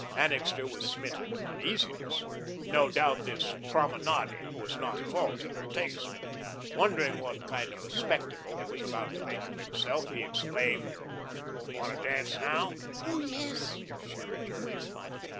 Annixter was smitten with uneasiness. No doubt this "promenading" was not at all to her taste. Wondering what kind of a spectacle he was about to make of himself, he exclaimed: "Want to dance now?" "Oh, yes!" she returned.